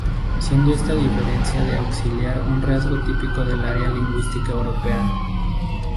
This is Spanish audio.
Siendo esta diferencia de auxiliar un rasgo típico del área lingüística europea.